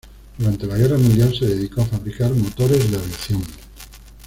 Durante la guerra mundial se dedicó a fabricar motores de aviación.